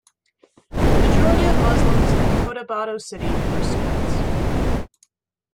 The majority of Muslims in Cotabato City are Sunnites.